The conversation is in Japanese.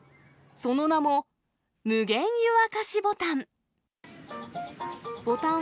その名も、無限∞湯沸かしボタン。